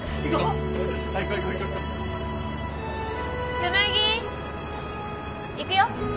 紬行くよ。